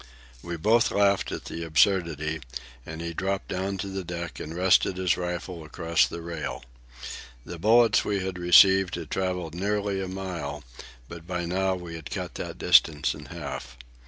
We both laughed at the absurdity, and he dropped down to the deck and rested his rifle across the rail. The bullets we had received had travelled nearly a mile, but by now we had cut that distance in half.